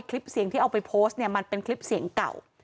คลิปเสียงที่เอาไปโพสต์เนี่ยมันเป็นคลิปเสียงเก่า